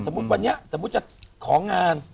สมมุติวันนี้สมมุติจะของงาน